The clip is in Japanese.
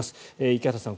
池畑さん